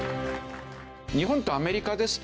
日本とアメリカですとね